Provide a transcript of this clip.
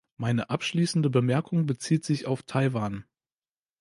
Meine abschließende Bemerkung bezieht sich auf Taiwan.